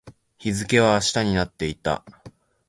日付は明日になっていた